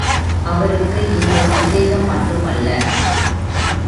அவருக்கு இந்தச் சந்தேகம் மட்டுமல்ல.